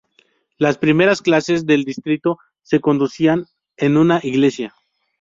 Las primeras clases del distrito se conducían en una iglesia.